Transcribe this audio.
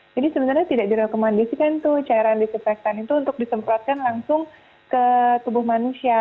sebenarnya tidak direkomendasikan tuh cairan disinfektan itu untuk disemprotkan langsung ke tubuh manusia